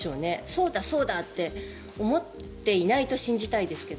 そうだ、そうだって思っていないと信じたいですが。